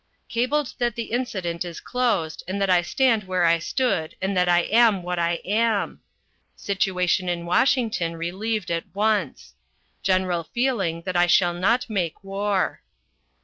Cabled that the incident is closed and that I stand where I stood and that I am what I am. Situation in Washington relieved at once. General feeling that I shall not make war.